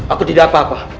aku tidak apa apa